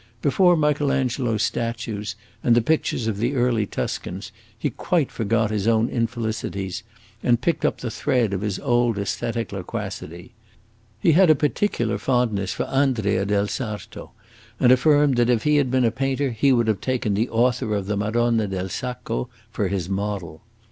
Before Michael Angelo's statues and the pictures of the early Tuscans, he quite forgot his own infelicities, and picked up the thread of his old aesthetic loquacity. He had a particular fondness for Andrea del Sarto, and affirmed that if he had been a painter he would have taken the author of the Madonna del Sacco for his model.